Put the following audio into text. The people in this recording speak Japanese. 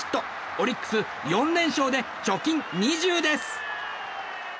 オリックス、４連勝で貯金２０です。